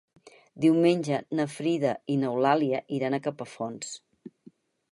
Diumenge na Frida i n'Eulàlia iran a Capafonts.